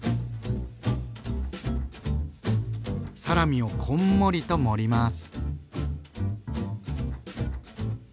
サラミをこんもりと盛ります。